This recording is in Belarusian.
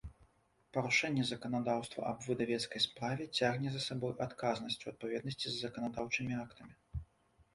Парушэнне заканадаўства аб выдавецкай справе цягне за сабой адказнасць у адпаведнасцi з заканадаўчымi актамi.